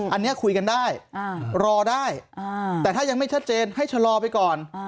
อันนี้คุยกันได้รอได้แต่ถ้ายังไม่ชัดเจนให้ชะลอไปก่อน